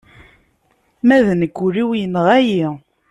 Ma d nekk ul-iw yenɣa-yi.